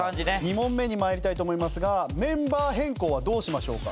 ２問目にまいりたいと思いますがメンバー変更はどうしましょうか？